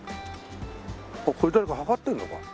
あっこれ誰か測ってるのか？